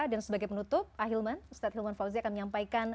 dan sebagai penutup ahilman ustadz hilman fauzi akan menyampaikan